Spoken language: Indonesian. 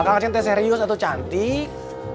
kak ngaceng teh serius atau cantik